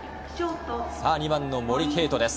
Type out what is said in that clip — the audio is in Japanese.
２番の森敬斗です。